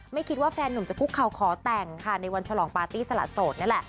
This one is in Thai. ไม่คิดว่าแฟนหนุ่มจะคุกเข่าขอแต่งค่ะในวันฉลองปาร์ตี้สละโสดนั่นแหละ